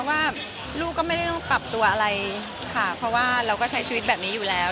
ว่าลูกก็ไม่ได้ต้องปรับตัวอะไรค่ะเพราะว่าเราก็ใช้ชีวิตแบบนี้อยู่แล้ว